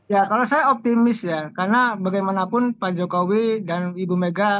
ya kalau saya optimis ya karena bagaimanapun pak jokowi dan ibu mega